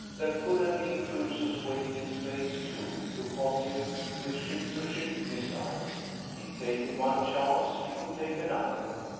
There could have been cruisers waiting in space, too, to pot him with ship to ship missiles. He'd taken one chance, he could take another.